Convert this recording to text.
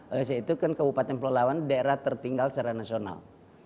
oleh itu kan kabupaten pelalawan daerah tertinggal secara nasional dua ribu enam